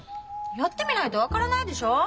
やってみないと分からないでしょう。